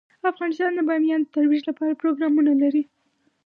افغانستان د بامیان د ترویج لپاره پروګرامونه لري.